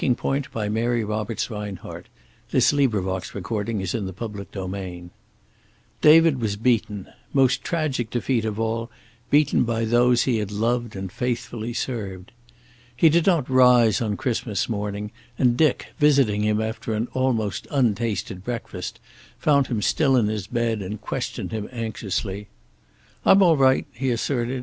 "O God, who makest us glad with the yearly remembrance of the birth of Thy Son " XLVIII David was beaten; most tragic defeat of all, beaten by those he had loved and faithfully served. He did not rise on Christmas morning, and Dick, visiting him after an almost untasted breakfast, found him still in his bed and questioned him anxiously. "I'm all right," he asserted.